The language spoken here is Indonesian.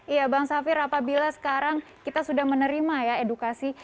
iya bang safir apabila sekarang kita sudah menerima ya edukasi